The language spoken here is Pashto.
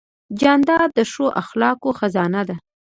جانداد د ښو اخلاقو خزانه ده.